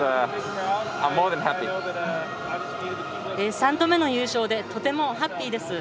３度目の優勝でとてもハッピーです。